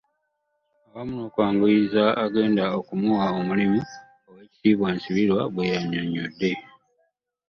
Awamu n'okwanguyiza agenda okumuwa omulimu Oweekitiibwa Nsibirwa bw'e yannyonnyodde.